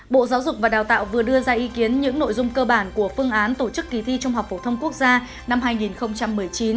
bộ giáo dục và đào tạo vừa đưa ra ý kiến những nội dung cơ bản của phương án tổ chức kỳ thi trung học phổ thông quốc gia năm hai nghìn một mươi chín